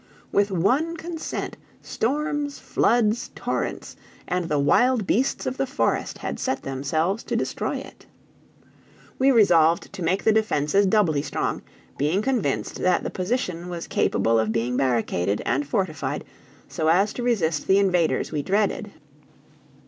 With one consent storms, floods, torrents, and the wild beasts of the forest, had set themselves to destroy it. We resolved to make the defenses doubly strong, being convinced that the position was capable of being barricaded and fortified so as to resist the invaders we dreaded.